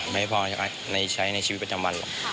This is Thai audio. ไม่พอในช้ายในชีวิตประจำวัน